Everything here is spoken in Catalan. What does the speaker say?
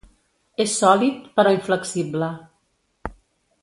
És sòlid, però inflexible.